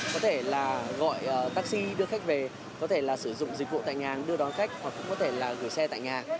có thể là gọi taxi đưa khách về có thể là sử dụng dịch vụ tại nhà đưa đón khách hoặc cũng có thể là gửi xe tại nhà